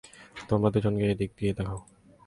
তোমরা দুজনে ওদিকে গিয়ে দেখো।